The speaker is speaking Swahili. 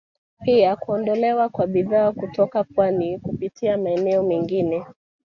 Pia kuondolewa kwa bidhaa kutoka pwani kupitia maeneo mengine